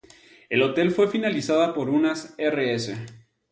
El hotel fue finalizada por unas Rs.